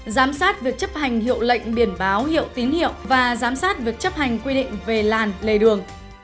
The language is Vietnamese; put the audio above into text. giám sát việc chấp hành hiệu lệnh biển báo hiệu tín hiệu và giám sát việc chấp hành quy định về làn lề đường